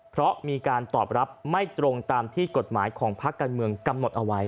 เพราะมีการตอบรับไม่ตรงตามที่กฎหมายของพักการเมืองกำหนดเอาไว้